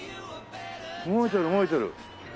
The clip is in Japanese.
動いてる動いてる。